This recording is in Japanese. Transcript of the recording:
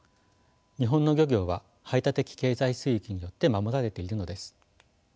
日本の漁業は排他的経済水域によって守られているのです。